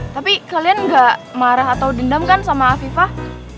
tapi kalian gak marah atau dendam kan sama afifah